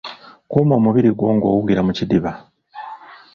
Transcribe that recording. Kuuma omubiri gwo ng’owugira mu kidiba.